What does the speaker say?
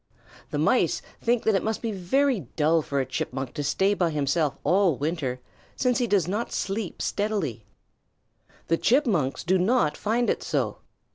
The Mice think that it must be very dull for a Chipmunk to stay by himself all winter, since he does not sleep steadily. The Chipmunks do not find it so.